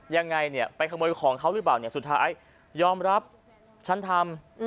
ยังไงเนี่ยไปขโมยของเขาหรือเปล่าเนี่ยสุดท้ายยอมรับฉันทำ